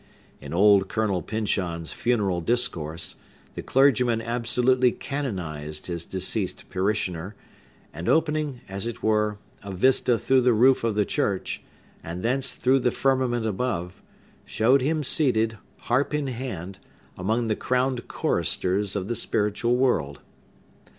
In old Colonel Pyncheon's funeral discourse the clergyman absolutely canonized his deceased parishioner, and opening, as it were, a vista through the roof of the church, and thence through the firmament above, showed him seated, harp in hand, among the crowned choristers of the spiritual world.